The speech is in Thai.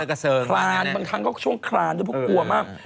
แล้วว่าคลานบางครั้งก็ช่วงคลานพวกกลัวมาก